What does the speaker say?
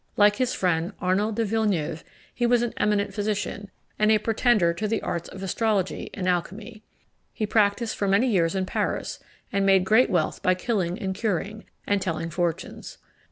Like his friend Arnold de Villeneuve, he was an eminent physician, and a pretender to the arts of astrology and alchymy. He practised for many years in Paris, and made great wealth by killing and curing, and telling fortunes.